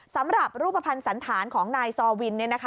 สำหรับรูปภัณฑ์สันธารของนายซอวินเนี่ยนะคะ